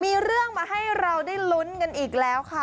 มีเรื่องมาให้เราได้ลุ้นกันอีกแล้วค่ะ